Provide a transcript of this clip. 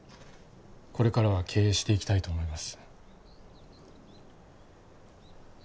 これからは経営していきたいと思います